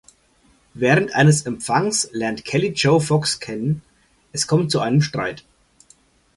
Während eines Empfangs lernt Kelly Joe Fox kennen, es kommt zu einem Streit.